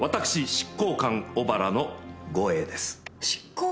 執行官小原の護衛？